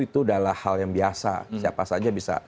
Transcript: itu adalah hal yang biasa